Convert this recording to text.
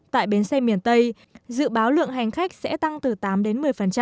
tại bến xe miền tây dự báo lượng hành khách sẽ tăng từ tám đến một mươi